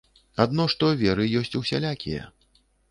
Адно што веры ёсць усялякія.